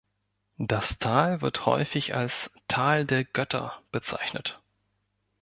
Das Tal wird häufig als „Tal der Götter“ bezeichnet.